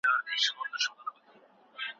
په داسي وخت کي چوپ پاتې کېدل د عزت ساتنه ده.